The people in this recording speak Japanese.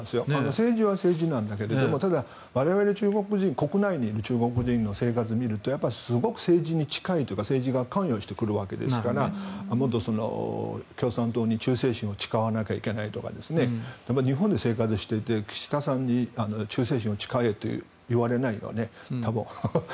政治は政治なんだけどただ、我々中国人国内にいる中国人の生活を見るとすごく政治に近いというか政治が関与してくるわけですからもっと共産党に忠誠心を誓わなきゃいけないとか日本で生活していて岸田さんに忠誠心を誓えとは言われないよね。